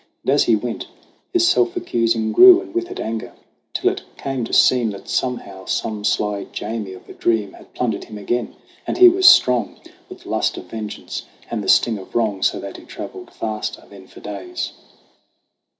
And as he went his self accusing grew And with it, anger; till it came to seem That somehow some sly Jamie of a dream Had plundered him again ; and he was strong With lust of vengeance and the sting of wrong, So that he travelled faster than for days.